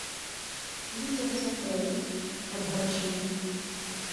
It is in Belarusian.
Людзі разапрэлі ад гарачыні.